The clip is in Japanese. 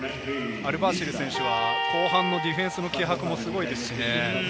アルバーシル選手は後半のディフェンスの気迫もすごいですしね。